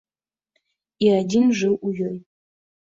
І адзін жыў у ёй.